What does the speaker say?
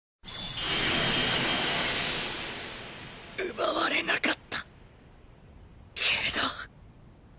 奪われなかったけど